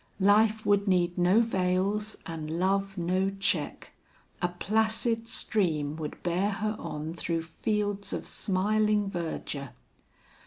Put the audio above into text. Life would need no veils and love no check. A placid stream would bear her on through fields of smiling verdure.